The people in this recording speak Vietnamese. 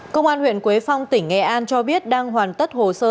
công an huyện quế phong tỉnh nghệ an cho biết đang hoàn tất hồ sơ